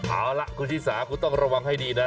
เอาล่ะคุณชิสาคุณต้องระวังให้ดีนะ